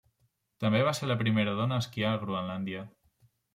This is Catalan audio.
També va ser la primera dona a esquiar a Groenlàndia.